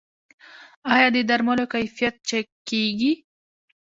آیا د درملو کیفیت چک کیږي؟